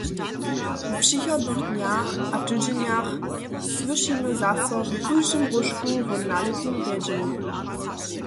W přichodnych dnjach a tydźenjach słyšimy zaso w kóždym róžku wo nalětnim rjedźenju.